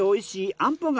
あんぽ柿？